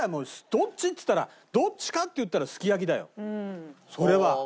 どっちっつったらどっちかっていったらすき焼きだよそれは。